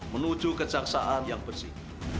menuju kejaksaan yang bersih